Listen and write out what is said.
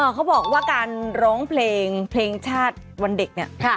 เขาบอกว่าการร้องเพลงเพลงชาติวันเด็กเนี่ย